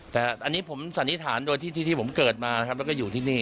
แต่อันนี้ผมสันนิษฐานโดยที่ผมเกิดมานะครับแล้วก็อยู่ที่นี่